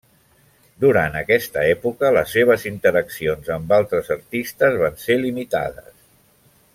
Durant aquesta època, les seves interaccions amb altres artistes van ser limitades.